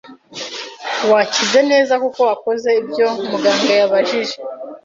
Wakize neza kuko wakoze ibyo muganga yabajije.